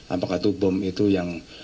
apakah itu bom itu yang